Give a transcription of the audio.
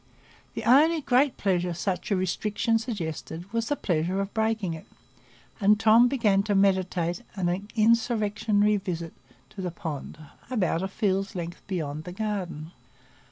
The only great pleasure such a restriction suggested was the pleasure of breaking it, and Tom began to meditate an insurrectionary visit to the pond, about a field's length beyond the garden.